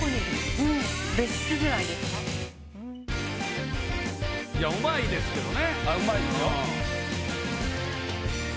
うまいですけどね。